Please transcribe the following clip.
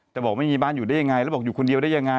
บอกไม่มีบ้านอยู่ได้ยังไงแล้วบอกอยู่คนเดียวได้ยังไง